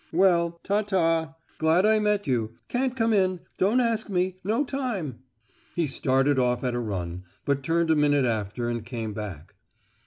Well, ta ta! Glad I met you—can't come in—don't ask me—no time!" He started off at a run, but turned a minute after and came back.